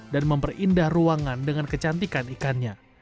dan memperindah ruangan dengan kecantikan ikannya